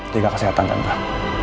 tiga kesehatan yang berat